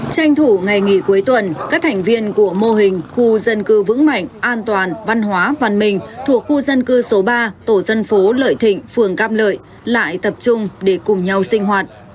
tranh thủ ngày nghỉ cuối tuần các thành viên của mô hình khu dân cư vững mạnh an toàn văn hóa văn minh thuộc khu dân cư số ba tổ dân phố lợi thịnh phường cam lợi lại tập trung để cùng nhau sinh hoạt